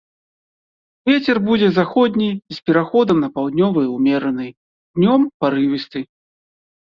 Вецер будзе заходні з пераходам на паўднёвы ўмераны, днём парывісты.